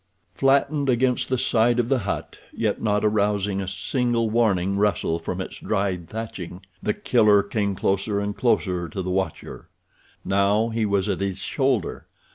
Flattened against the side of the hut, yet not arousing a single warning rustle from its dried thatching, The Killer came closer and closer to the watcher. Now he was at his shoulder.